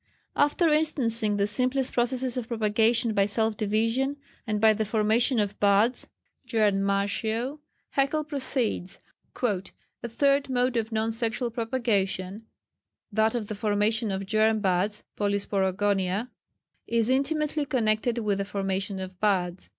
] After instancing the simplest processes of propagation by self division, and by the formation of buds (Gemmatio), Haeckel proceeds, "A third mode of non sexual propagation, that of the formation of germ buds (Polysporogonia) is intimately connected with the formation of buds.